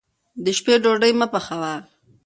د شپې ډوډۍ مه پخوه.